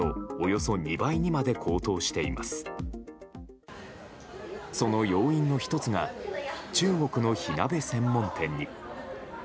その要因の１つが中国の火鍋専門店に。